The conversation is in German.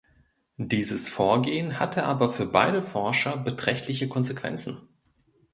Dieses Vorgehen hatte aber für beide Forscher beträchtliche Konsequenzen.